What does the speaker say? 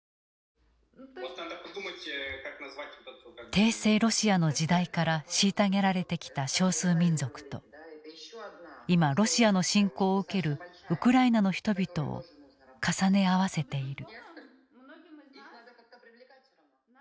帝政ロシアの時代から虐げられてきた少数民族と今ロシアの侵攻を受けるウクライナの人々を重ね合わせている。